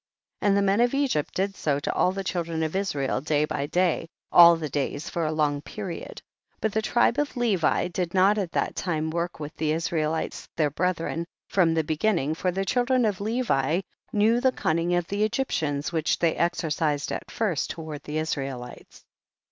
8. And the men of Egypt did so to all the children of Israel day by dav, all the days for a long period. 9. But the tribe of Levi did not at that time work with the Israelites their brethren, from the beginning, for the children of Levi knew the cunning of the Egyptians which they exercised at first toward the Israel ites.